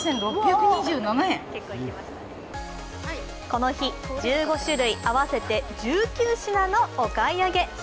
この日１５種類合わせて１９品のお買い上げ。